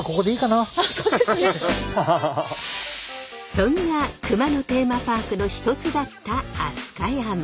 そんな熊野テーマパークの一つだった飛鳥山。